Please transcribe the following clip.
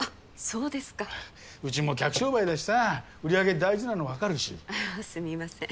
そうですかうちも客商売だしさ売り上げ大事なの分かるしすみません